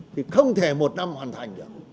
thì không thể một năm hoàn thành được